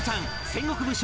戦国武将